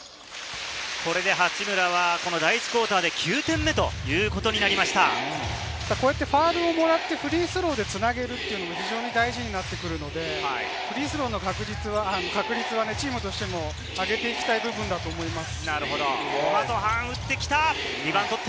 これで八村は第１クオーターで９点目ということになりまファウルをもらってフリースローでつなぐというのも非常に大事になってくるので、フリースローの確率はチームとしても上げていきたい部分だと思います。